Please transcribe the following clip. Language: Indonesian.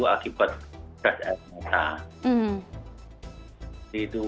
akibat keras air mata